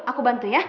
aku bantu ya